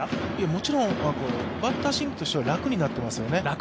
もちろんバッター心理としては楽になっていますよね。